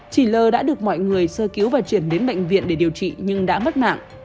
chị t d l đã được mọi người sơ cứu và chuyển đến bệnh viện để điều trị nhưng đã mất mạng